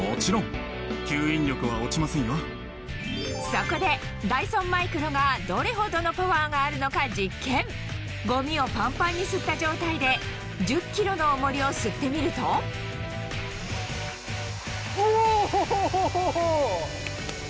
そこでダイソンマイクロがどれほどのパワーがあるのか実験ゴミをパンパンに吸った状態で１０ｋｇの重りを吸ってみるとおホホホ！